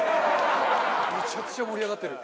めちゃくちゃ盛り上がってる。